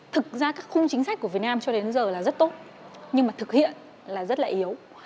thực ra các khung chính sách của việt nam cho đến giờ là rất tốt nhưng mà thực hiện là rất là yếu